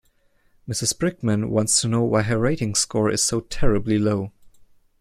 Mrs Brickman wants to know why her rating score is so terribly low.